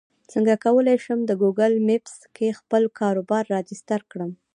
څنګه کولی شم د ګوګل مېپس کې خپل کاروبار راجستر کړم